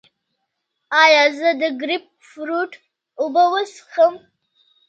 ایا زه د ګریپ فروټ اوبه وڅښم؟